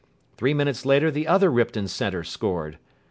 Three minutes later the other Ripton centre scored.